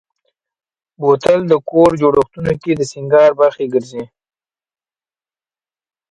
بوتل د کور جوړښتونو کې د سینګار برخه ګرځي.